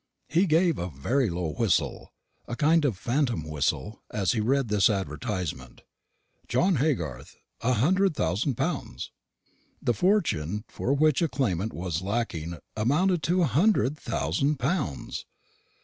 He gave a very low whistle a kind of phantom whistle as he read this advertisement. "John Haygarth! a hundred thousand pounds!" The fortune for which a claimant was lacking amounted to a hundred thousand pounds!